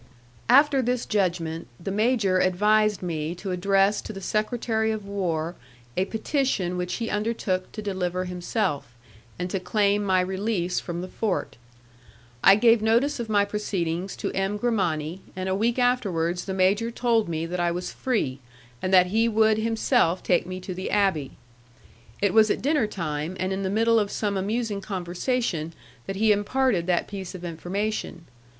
After this judgment, the major advised me to address to the secretary of war a petition which he undertook to deliver himself, and to claim my release from the fort. I gave notice of my proceedings to M. Grimani, and a week afterwards the major told me that I was free, and that he would himself take me to the abbé. It was at dinnertime, and in the middle of some amusing conversation, that he imparted that piece of information.